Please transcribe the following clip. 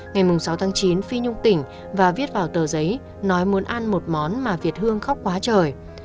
ngày sáu tháng chín phi nhung tỉnh và viết vào tờ giấy nói muốn ăn một món mà việt hương khóc quá trời